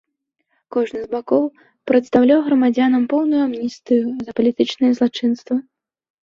Кожны з бакоў прадастаўляў грамадзянам поўную амністыю за палітычныя злачынствы.